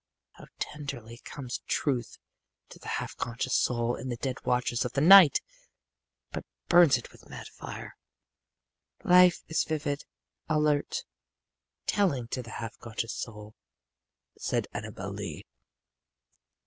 "How tenderly comes Truth to the half conscious soul in the dead watches of the night! but burns it with mad fire. "Life is vivid, alert, telling to the half conscious soul," said Annabel Lee.